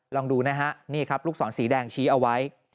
ลองดูนะฮะนี่ครับลูกศรสีแดงชี้เอาไว้